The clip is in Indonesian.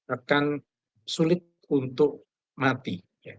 akan sulit untuk mati